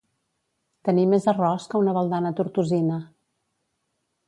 Tenir més arròs que una baldana tortosina.